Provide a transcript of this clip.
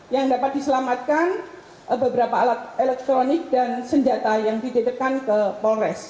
yang dapat diselamatkan beberapa alat elektronik dan senjata yang dititipkan ke polres